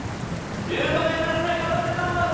１０万円目指して頑張りたいと思います。